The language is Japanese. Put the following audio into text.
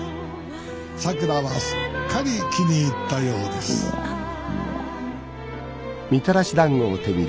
さくらはすっかり気に入ったようですあっ。